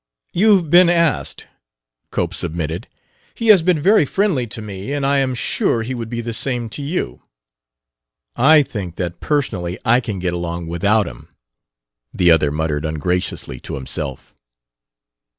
"You've been asked," Cope submitted. "He has been very friendly to me, and I am sure he would be the same to you." "I think that, personally, I can get along without him," the other muttered ungraciously to himself.